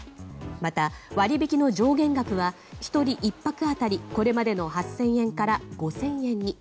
また、割引の上限額は１日１泊当たりこれまでの８０００円から５０００円に。